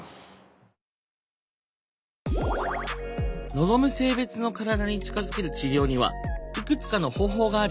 望む性別の体に近づける治療にはいくつかの方法があるよ。